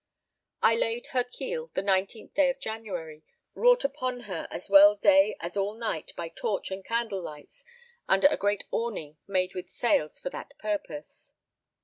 I laid her keel the 19th day of January, wrought upon her as well day as all night by torch and candle lights under a great awning made with sails for that purpose.